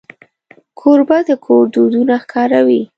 کوربه د کور دودونه ښکاروي.